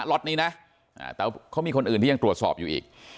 ล็อตนี้นะแต่เขามีคนอื่นที่ยังตรวจสอบอยู่อีก